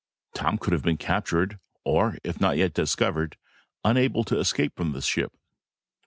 Tom could have been captured, or if not yet discovered, unable to escape from the ship.